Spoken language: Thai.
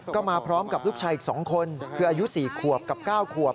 ก็มาพร้อมกับลูกชายอีก๒คนคืออายุ๔ขวบกับ๙ขวบ